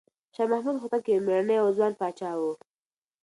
شاه محمود هوتک یو مېړنی او ځوان پاچا و.